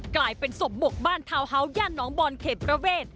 กลายเป็นศพบกบ้านทาวน์เฮาสย่านน้องบอลเขตประเวท